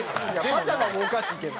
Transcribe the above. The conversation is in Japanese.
パジャマもおかしいけど。